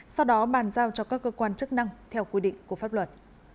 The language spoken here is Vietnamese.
sau đó bàn giao cho các cơ quan chức năng theo quy định của pháp luật